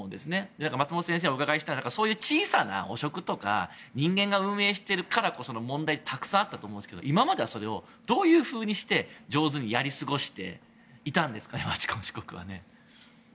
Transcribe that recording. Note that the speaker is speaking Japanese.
だから、松本先生にお伺いしたいのが小さな汚職とか人間が運営しているからこその問題がたくさんあったと思いますが今までそれをどういうふうにして上手にやり過ごしていたのですか、バチカン市国は。